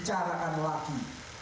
tidak boleh dibicarakan lagi